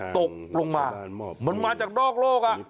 ตกลงมามันมาจากนอกโลก